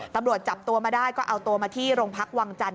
ตำรวจจับตัวมาได้ก็เอาตัวมาที่โรงพักวังจันท